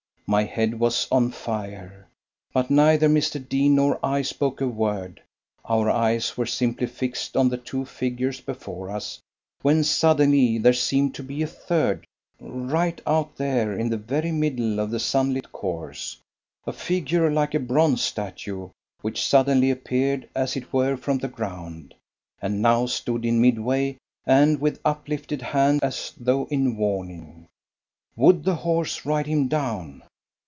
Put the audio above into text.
My head was on fire, but neither Mr. Deane nor I spoke a word; our eyes were simply fixed on the two figures before us, when suddenly there seemed to be a third right out there in the very middle of the sunlit course. A figure like a bronze statue, which suddenly appeared as it were from the ground, and now stood in midway, and with uplifted hand as though in warning. Would the horses ride him down?